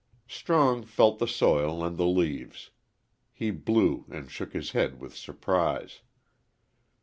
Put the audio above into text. Strong felt the soil and the leaves. He blew and shook his head with surprise.